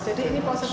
jadi ini posisi